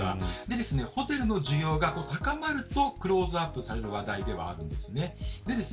ホテルの需要が高まるとクローズアップされる話題ではあるんです。